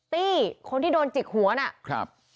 ตี้คนที่โดนจิกหัวนะครับ